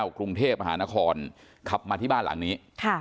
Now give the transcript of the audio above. กรุงเทพมหานครขับมาที่บ้านหลังนี้